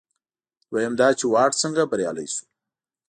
دویم دا چې واټ څنګه بریالی شو.